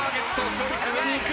勝利君上に行く。